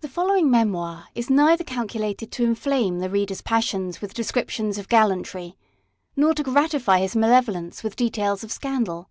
THE following Memoir is neither calculated to inflame the reader's passions with descriptions of gallantry, nor to gratify his malevolence with details of scandal.